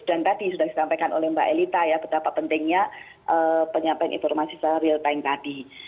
dan tadi sudah disampaikan oleh mbak elita ya betapa pentingnya penyampaian informasi se real time tadi